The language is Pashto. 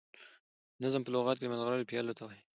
نظم په لغت کي د ملغرو پېيلو ته وايي.